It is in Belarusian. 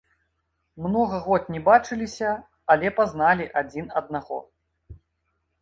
Многа год не бачыліся, але пазналі адзін аднаго.